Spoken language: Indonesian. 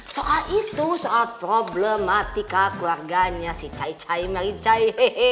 soal itu saat problematika keluarganya si cai cai mericai